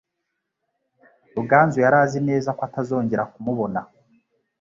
Ruganzu yari azi neza ko atazongera kumubona.